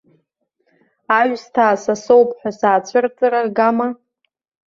Аҩсҭаа са соуп ҳәа саацәырҵыр аргама.